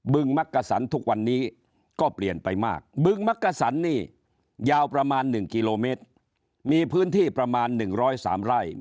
ึงมักกะสันทุกวันนี้ก็เปลี่ยนไปมากบึงมักกะสันนี่ยาวประมาณ๑กิโลเมตรมีพื้นที่ประมาณ๑๐๓ไร่